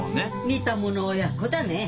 似たもの親子だね。